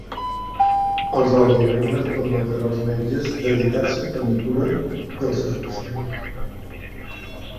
Els algoritmes permetran als metges dedicar-se a tenir cura dels seus pacients.